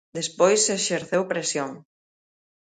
Despois exerceu presión.